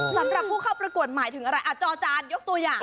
สำหรับผู้เข้าประกวดหมายถึงอะไรจอจานยกตัวอย่าง